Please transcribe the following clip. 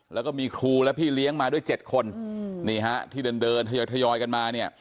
แล้วก็มีครูและพี่เลี้ยงมาด้วย๗คนที่เดินทยอยกันมา